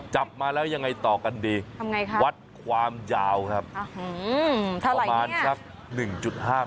จับมาแล้วยังไงต่อกันดีวัดความยาวครับเท่าไรเนี้ย